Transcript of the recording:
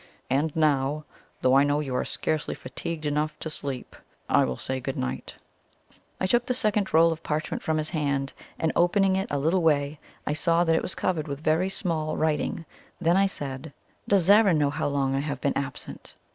And now, though I know you are scarcely fatigued enough to sleep, I will say good night." I took the second roll of parchment from his hand, and opening it a little way, I saw that it was covered with very fine small writing. Then I said: "Does Zara know how long I have been absent?"